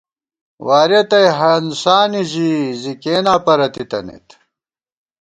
وارِیَہ تئ ہنسانے ژِی ، زی کېناں پرَتی تنَئیت